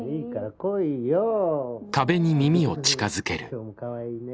今日もかわいいね。